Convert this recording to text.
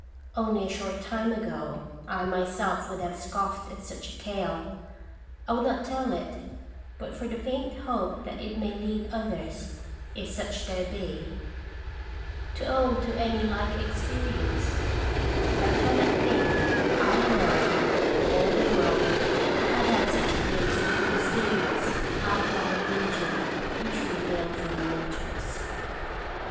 Only a short time ago I myself would have scoffed at such a tale. I would not tell it, but for the faint hope that it may lead others if such there be to own to any like experience ; for I cannot think that I alone, of all the world, have had such glimpse of the mysterious outlying region usually veiled from mortals.